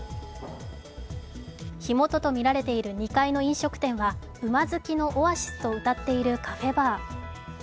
火元とみられている２階の飲食店は馬好きのオアシスとうたっているカフェバー。